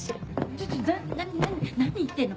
ちょっと何言ってんの？